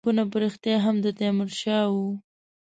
لیکونه په ریشتیا هم د تیمورشاه وي.